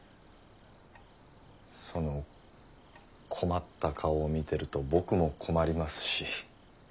その困った顔を見てると僕も困りますし。